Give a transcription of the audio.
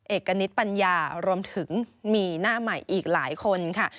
เอกณิตปัญญารวมถึงมีหน้าใหม่อีกหลายคนค่ะ